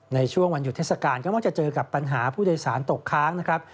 ในช่วงวันหยุดเทศกาลก็มักจะเจอกับปัญหาผู้โดยสารตกค้างนะครับ